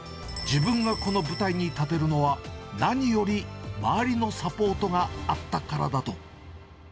自分がこの舞台に立てるのは、何より周りのサポートがあったからだと。